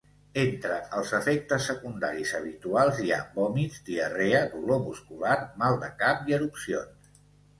Entre els efectes secundaris habituals hi ha vòmits, diarrea, dolor muscular, mal de cap i erupcions.